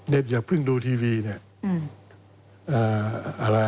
อย่าเพิ่งดูทีวีเนี่ย